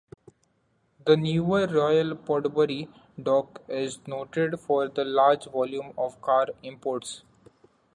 The newer Royal Portbury Dock is noted for the large volume of car imports.